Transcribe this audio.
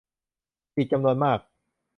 อีกจำนวนมาก